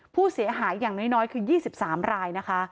ผู้เสียหายอย่างน้อยคือ๒๓รายนะคะ